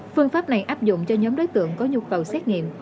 phương pháp này áp dụng cho nhóm đối tượng có nhu cầu xét nghiệm